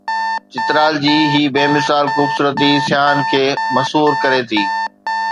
چترال جي هي بي مثال خوبصورتي سياحن کي مسحور ڪري ٿي